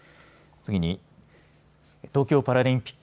次に東京パラリンピック